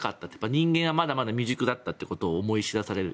人間はまだまだ未熟だったということを思い知らされる。